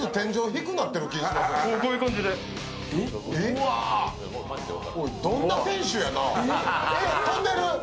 飛んでる！